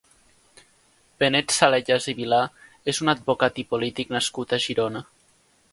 Benet Salellas i Vilar és un advocat i polític nascut a Girona.